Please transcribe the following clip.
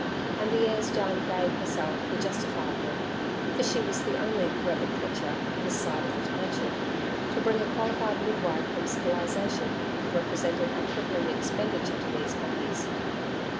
And the airs Jyne gave herself were justifiable, for she was the only "Rabbit Ketcher" this side of the township. To bring a qualified midwife from civilization would have represented a crippling expenditure to these cockies.